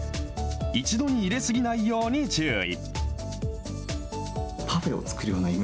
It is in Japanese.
一度に入れ過ぎないように注意。